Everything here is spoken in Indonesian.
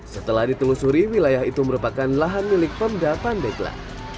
setelah ditelusuri wilayah itu merupakan lahan milik pemda pandeglang